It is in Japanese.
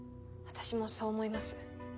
私もそう思います